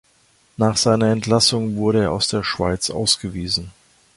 Nach seiner Entlassung wurde er aus der Schweiz ausgewiesen.